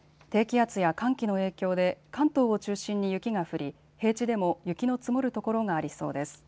低気圧や寒気の影響で関東を中心に雪が降り平地でも雪の積もる所がありそうです。